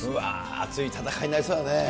熱い戦いになりそうですね。